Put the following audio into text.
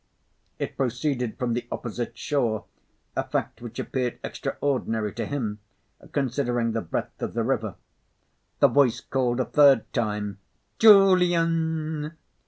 It proceeded from the opposite shore, a fact which appeared extraordinary to him, considering the breadth of the river. The voice called a third time: "Julian!"